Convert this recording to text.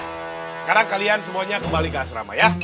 sekarang kalian semuanya kembali ke asrama ya